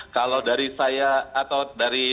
kalau dari saya atau dari